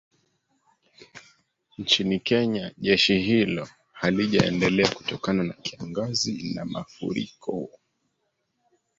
Nchini Kenya jeshi hilo halijaendelea kutokana na kiangazi na mafuriko